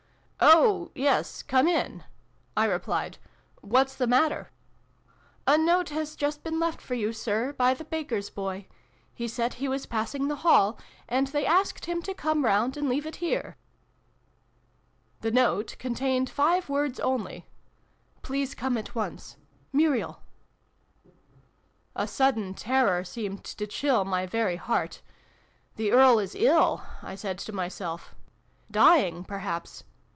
Oh yes, come in !" I replied. " What's the matter ?"" A note has just been left for you, Sir, by the baker's boy. He said he was passing the Hall, and they asked him to come round and leave it here." The note contained five words only. " Please come at once. Muriel." xxv] LIFE OUT OF DEATH. 401 A sudden terror seemed to chill my very heart. " The Earl is ill !" I said to myself. " Dying, perhaps